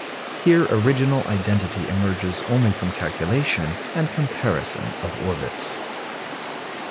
Here original identity emerges only from calculation and comparison of orbits.